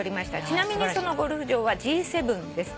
「ちなみにそのゴルフ場はＧ７です」